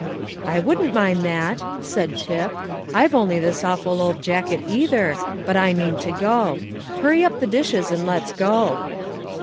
"I wouldn't mind that," said Tip. "I've only this awful old jacket either, but I mean to go. Hurry up the dishes, and let's go."